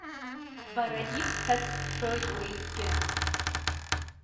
Бара ибҳәац бҳәоит, уеизгьы.